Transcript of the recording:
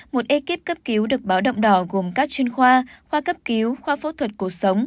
một ekip cấp cứu được báo động đỏ gồm các chuyên khoa khoa cấp cứu khoa phẫu thuật cuộc sống